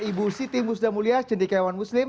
ibu siti musda mulya cendekiawan muslim